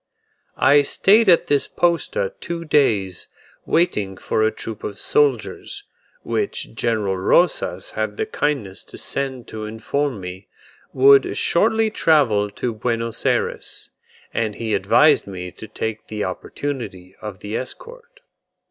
I stayed at this posta two days, waiting for a troop of soldiers, which General Rosas had the kindness to send to inform me, would shortly travel to Buenos Ayres; and he advised me to take the opportunity of the escort.